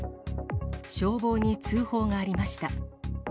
消防に通報がありました。